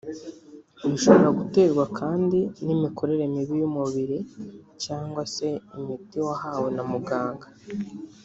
bishobora guterwa kandi n’imikorere mibi y’umubiri cyangwa se imiti wahawe na muganga